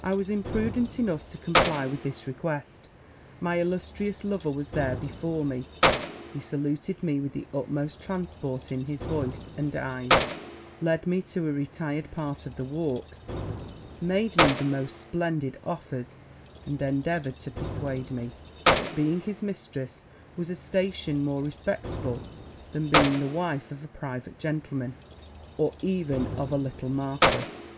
'I was imprudent enough to comply with this request: my illustrious lover was there before me he saluted me with the utmost transport in his voice and eyes led me to a retired part of the walk made me the most splendid offers and endeavoured to persuade me, that being his mistress was a station more respectable than being the wife of a private gentleman, or even of a little marquis.